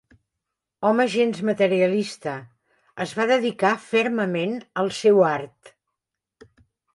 Home gens materialista, es va dedicar fermament al seu art.